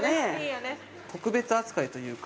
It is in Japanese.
特別扱いというか、